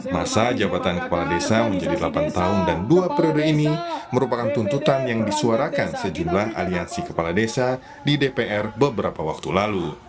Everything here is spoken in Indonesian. masa jabatan kepala desa menjadi delapan tahun dan dua periode ini merupakan tuntutan yang disuarakan sejumlah aliansi kepala desa di dpr beberapa waktu lalu